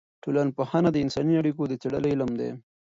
ټولنپوهنه د انساني اړیکو د څېړلو علم دی.